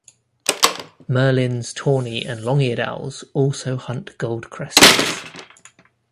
Merlins, tawny and long-eared owls also hunt goldcrests.